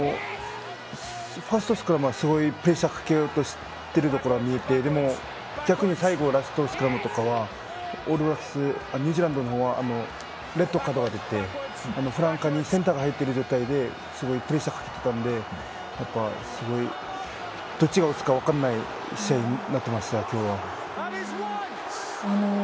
ファーストスクラムはすごいプレッシャーをかけようとしているのは見えてでも、逆に最後のラストスクラムはニュージーランドの方はレッドカードが出てフランカーにセンターが入っている状態ですごいプレッシャーかけてたのでどっちが押すか分からない試合になってました。